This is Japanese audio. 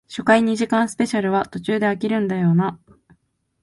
初回二時間スペシャルは途中で飽きるんだよなあ